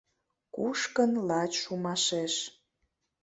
Кушкын лач шумашеш